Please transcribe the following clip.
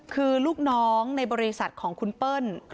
คือลูกน้องในบริษัทของคุณเปิ้ล